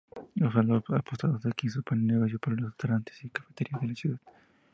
Los soldados apostados aquí suponen negocio para los restaurantes y cafeterías de la ciudad.